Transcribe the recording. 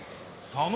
佐野？